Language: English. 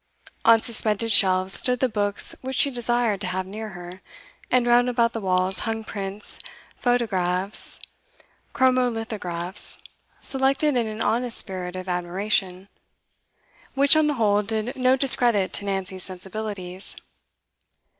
On suspended shelves stood the books which she desired to have near her, and round about the walls hung prints, photographs, chromolithographs, selected in an honest spirit of admiration, which on the whole did no discredit to Nancy's sensibilities.